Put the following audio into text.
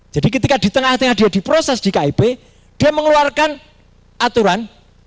jadi ketika di tengah tengah dia diproses di kip dia mengeluarkan aturan